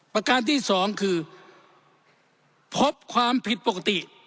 ประการที่สองคือพบความผิดปกติ